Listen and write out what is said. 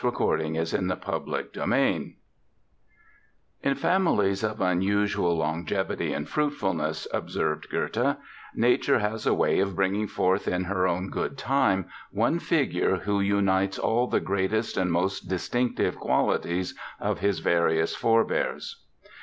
P. Johann Sebastian Bach In families of unusual longevity and fruitfulness, observed Goethe, Nature has a way of bringing forth in her own good time one figure who unites all the greatest and most distinctive qualities of his various forebears.